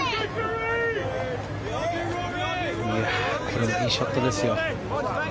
これもいいショットですよ。